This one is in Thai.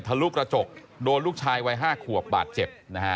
โดนลูกละจกโดนลูกชายวัย๕ขวบบาดเจ็บ